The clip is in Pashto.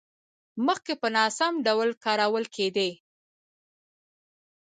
مخکې په ناسم ډول کارول کېدې.